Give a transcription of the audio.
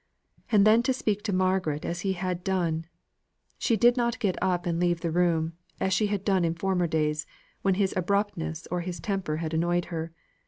And then to speak to Margaret as he had done! She did not get up and leave the room, as she had done in former days, when his abruptness or his temper had annoyed her.